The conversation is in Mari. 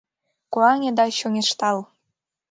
Куане да чоҥештал!»